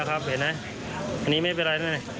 อันนี้ไม่เป็นไรนะ